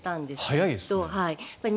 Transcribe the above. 早いですね。